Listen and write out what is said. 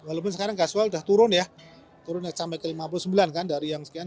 walaupun sekarang gas suar sudah turun ya turun sampai ke lima puluh sembilan mm scfd dari yang sekian